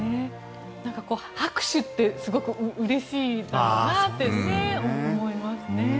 拍手ってすごくうれしいだろうなって思いますね。